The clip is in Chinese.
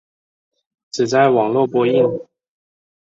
只在网络播映。